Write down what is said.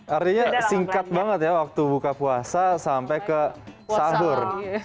artinya singkat banget ya waktu buka puasa sampai ke sahur